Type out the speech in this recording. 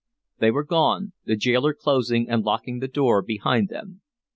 They were gone, the gaoler closing and locking the door behind them.